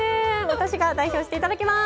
私が代表していただきます！